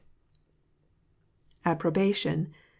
_Approbation.